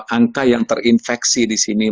angka yang terinfeksi disini